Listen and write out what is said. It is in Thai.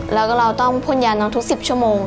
แล้วก็เราต้องพ่นยาน้องทุก๑๐ชั่วโมง